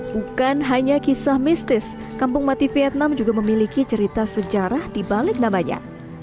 bukan hanya kisah mistis kampung mati vietnam juga memiliki cerita sejarah di balik namanya